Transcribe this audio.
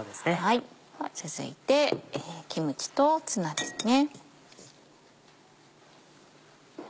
では続いてキムチとツナですね。